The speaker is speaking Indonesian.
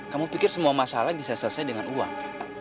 kamu pikir semua masalah bisa selesai dengan uang